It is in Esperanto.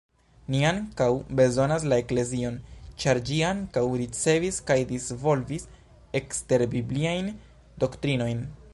Ni ankaŭ bezonas la eklezion, ĉar ĝi ankaŭ ricevis kaj disvolvis ekster-bibliajn doktrinojn.